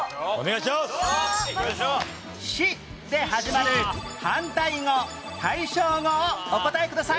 「し」で始まる反対語・対照語をお答えください